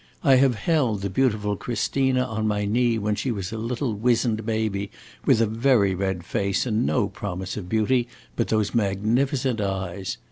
I have held the beautiful Christina on my knee when she was a little wizened baby with a very red face and no promise of beauty but those magnificent eyes.